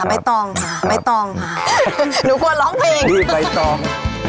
บ๊ายโตร์งค่ะนูกลว่าร้องเพัง